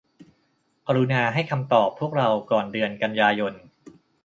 กรุณาให้คำตอบพวกเราก่อนเดือนกันยายน